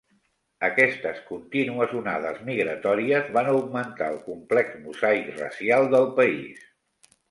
Aquestes contínues onades migratòries van augmentar el complex mosaic racial del país.